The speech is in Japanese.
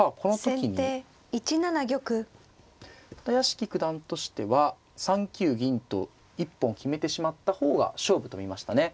屋敷九段としては３九銀と一本決めてしまった方が勝負と見ましたね。